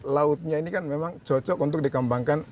lautnya ini kan memang cocok untuk dikembangkan